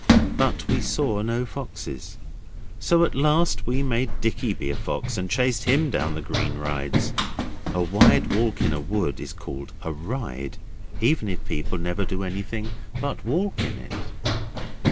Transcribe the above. But we saw no foxes. So at last we made Dicky be a fox, and chased him down the green rides. A wide walk in a wood is called a ride, even if people never do anything but walk in it.